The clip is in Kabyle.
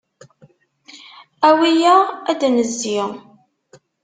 Awi-yaɣ ad d-nezzi.